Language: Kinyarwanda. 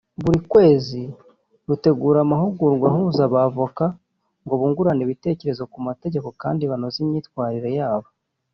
buri kwezi rutegura amahugurwa ahuza abavoka ngo bungurane ibitekerezo ku mategeko kandi banoze imyitwarire yabo